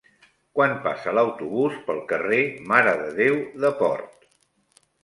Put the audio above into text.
Quan passa l'autobús pel carrer Mare de Déu de Port?